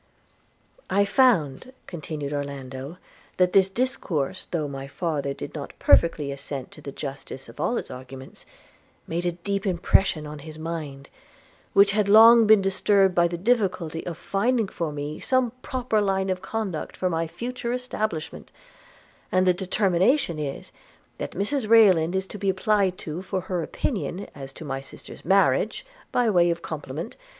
'I found,' continued Orlando, 'that this discourse, though my father did not perfectly assent to the justice of all its arguments, made a deep impression on his mind, which had long been disturbed by the difficulty of finding for me some proper line of conduct for my future establishment: and the determination is, that Mrs Rayland is to be applied to for her opinion as to my sister's marriage, by way of compliment